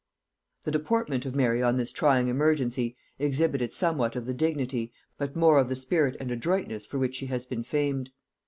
The deportment of Mary on this trying emergency exhibited somewhat of the dignity, but more of the spirit and adroitness, for which she has been famed.